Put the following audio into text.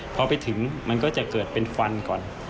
พอไปถึงมันก็จะเกิดเป็นควันก่อน